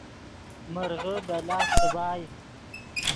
مرغے دے لاست څیبائے